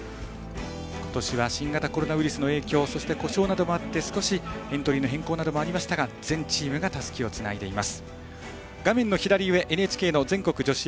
今年は新型コロナウイルスの影響そして故障などもあって少しエントリーの変更などもありましたが全チームがたすきをつないでいます。